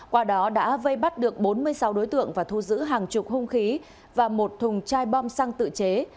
qua đó đã vây bắt được bốn mươi sáu đối tượng và thu giữ hàng chục hung khí và một thùng chai bom xăng tự chế